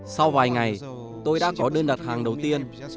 sau vài ngày tôi đã có đơn đặt hàng đầu tiên